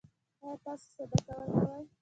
ایا تاسو صدقه ورکوئ؟